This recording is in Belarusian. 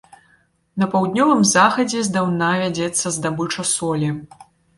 На паўднёвым захадзе здаўна вядзецца здабыча солі.